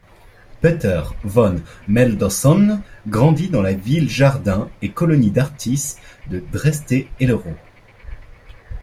Peter von Mendelssohn grandit dans la ville-jardin et colonie d'artistes de Dresde-Hellerau.